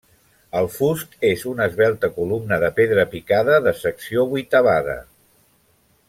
El fust és una esvelta columna de pedra picada, de secció vuitavada.